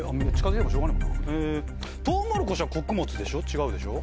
トウモロコシは穀物でしょ？